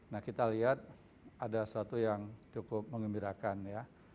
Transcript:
nah kita lihat ada sesuatu yang cukup mengembirakan ya